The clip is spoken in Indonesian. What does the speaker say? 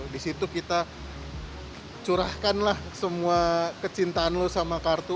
di situ kita curahkanlah semua kecintaan lo sama kartu